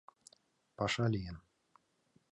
— Паша лийын.